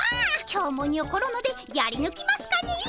今日もにょころのでやりぬきますかねえ。